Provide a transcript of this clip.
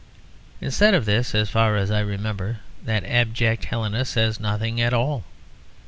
Instead of this, as far as I remember, that abject Hellenist says nothing at all.